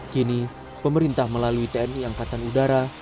kini pemerintah melalui tni angkatan udara